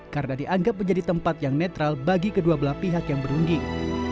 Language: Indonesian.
karena dianggap menjadi tempat yang netral bagi kedua belah pihak yang berunding